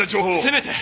せめて！